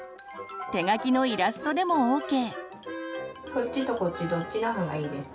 手書きのイラストでもＯＫ！